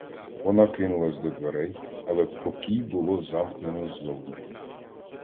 Вона кинулась до дверей, але покій було замкнено ззовні.